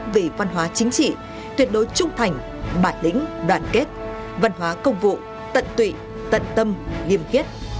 về văn hóa chính trị tuyệt đối trung thành bản lĩnh đoàn kết văn hóa công vụ tận tụy tận tâm nghiêm khiết